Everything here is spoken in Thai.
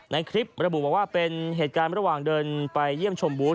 ในคลิประบุบอกว่าเป็นเหตุการณ์ระหว่างเดินไปเยี่ยมชมบูธ